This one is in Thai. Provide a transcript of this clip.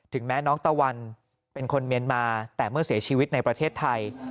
แม้น้องตะวันเป็นคนเมียนมาแต่เมื่อเสียชีวิตในประเทศไทย